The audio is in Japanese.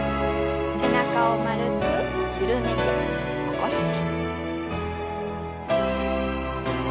背中を丸く緩めて起こして。